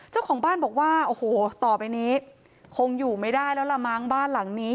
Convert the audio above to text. เจ้าของบ้านบอกว่าโอ้โหต่อไปนี้คงอยู่ไม่ได้แล้วล่ะมั้งบ้านหลังนี้